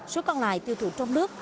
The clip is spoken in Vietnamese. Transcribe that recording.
số còn lại tiêu thụ trong nước